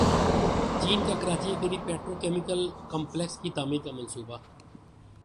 چین کا کراچی کے قریب پیٹرو کیمیکل کمپلیکس کی تعمیر کا منصوبہ